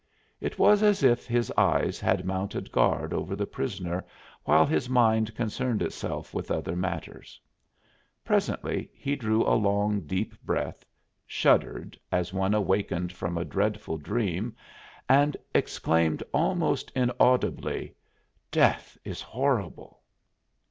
It was as if his eyes had mounted guard over the prisoner while his mind concerned itself with other matters. Presently he drew a long, deep breath, shuddered, as one awakened from a dreadful dream, and exclaimed almost inaudibly: "Death is horrible!"